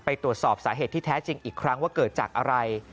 ตรวจสอบสาเหตุที่แท้จริงอีกครั้งว่าเกิดจากอะไร